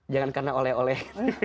jangan karena oleh oleh